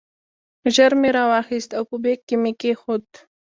ژر مې راواخیست او په بیک کې مې کېښود.